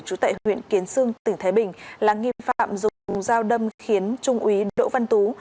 trú tại huyện kiến sương tỉnh thái bình là nghi phạm dùng dao đâm khiến trung úy đỗ văn tú